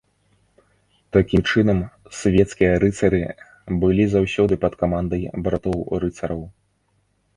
Такім чынам, свецкія рыцары былі заўсёды пад камандай братоў-рыцараў.